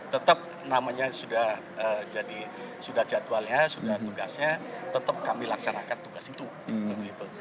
tetap namanya sudah jadi sudah jadwalnya sudah tugasnya tetap kami laksanakan tugas itu